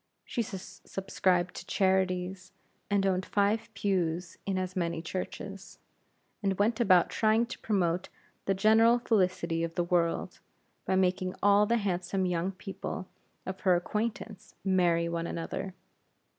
She subscribed to charities, and owned five pews in as many churches, and went about trying to promote the general felicity of the world, by making all the handsome young people of her acquaintance marry one another.